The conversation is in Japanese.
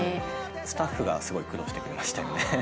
スタッフがすごい苦労してくれましたよね。